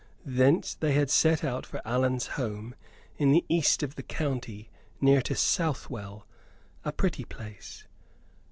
Thence they had set out for Allan's home in the east of the county, near to Southwell, a pretty place.